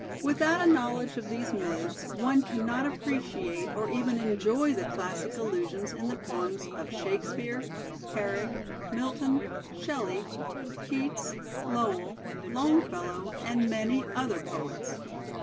Without a knowledge of these myths, one cannot appreciate or even en joy the classic allusions in the poems of Shake speare, Herrick, Milton, Shelley, Keats, Lowell, Longfellow, and many other poets.